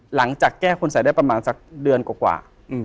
หลังจากแก้คุณสัยได้ประมาณสักเดือนกว่า